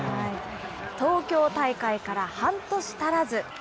東京大会から半年足らず。